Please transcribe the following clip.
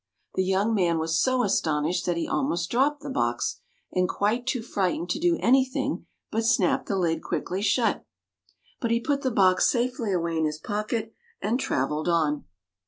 The young man was so astonished that he almost dropped the box, and quite too frightened to do anything but snap the lid quickly shut. But he put the box safely away in his pocket and traveled on.